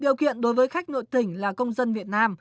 điều kiện đối với khách nội tỉnh là công dân việt nam